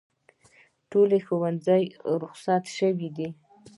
ټول ښوونځي روخصت شوي دي